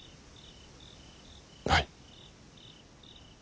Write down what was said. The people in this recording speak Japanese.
はい。